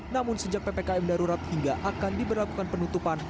namun sejak ppkm darurat hingga akan diberlakukan penutupan